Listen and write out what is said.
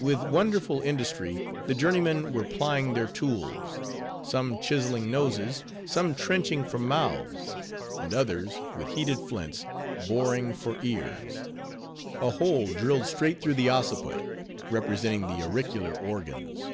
With wonderful industry the journeymen were plying their tools;—some chiseling noses; some trenching for mouths; and others, with heated flints, boring for ears: a hole drilled straight through the occiput, representing the auricular organs.